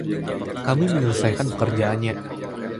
Kami menyelesaikan pekerjaannya.